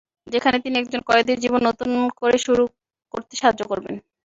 যেখানে তিনি একজন কয়েদির জীবন নতুন করে শুরু করতে সাহায্য করবেন।